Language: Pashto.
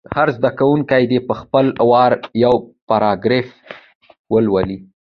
هر زده کوونکی دې په خپل وار یو پاراګراف ولولي.